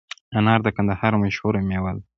انار د کندهار مشهوره مېوه ده